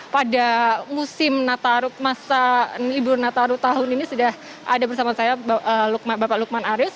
pada musim libur nataru tahun ini sudah ada bersama saya bapak lukman aris